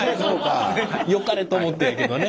よかれと思ってんけどね。